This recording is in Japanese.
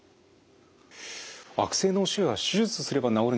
悪性脳腫瘍は手術すれば治るんでしょうか？